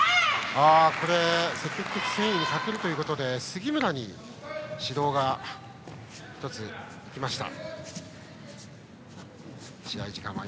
積極的戦意に欠けるということで杉村に指導が１つ行きました。